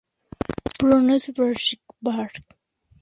Prunus persica var.